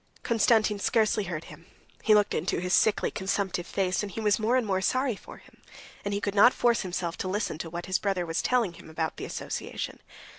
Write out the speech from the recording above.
Konstantin scarcely heard him. He looked into his sickly, consumptive face, and he was more and more sorry for him, and he could not force himself to listen to what his brother was telling him about the association.